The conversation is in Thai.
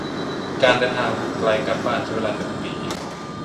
การเดินทางไกลกลับบ้านใช้เวลาหนึ่งปี